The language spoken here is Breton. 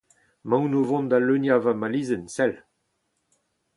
Emaon o vont da leuniañ ma malizenn, sell.